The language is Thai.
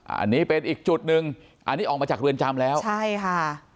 อันนี้เป็นอีกจุดหนึ่งอันนี้ออกมาจากเรือนจำแล้วใช่ค่ะ